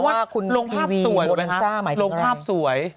ว่าคุณโรงภาพสวย